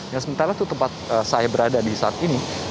yang sementara itu tempat saya berada di saat ini